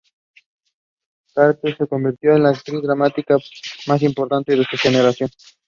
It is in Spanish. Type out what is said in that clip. Carter se convirtió en la actriz dramática más importante de su generación.